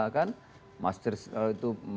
kan master itu